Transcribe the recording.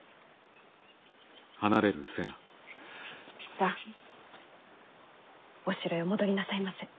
さあお城へお戻りなさいませ。